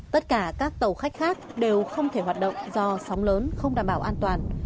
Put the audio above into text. tất cả các tàu khách khác đều không thể hoạt động do sóng lớn không đảm bảo an toàn